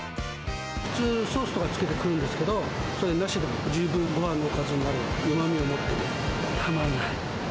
普通、ソースとかつけて食うんですけど、それなしでも十分ごはんのおかずになるうまみを持って、たまんない。